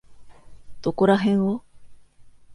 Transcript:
どこらへんを？